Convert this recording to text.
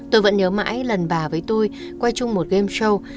tôi vẫn nhớ mãi lần bà với tôi qua chung một game show